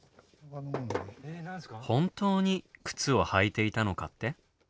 本当に靴を履いていたのかって？